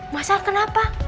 mas al kenapa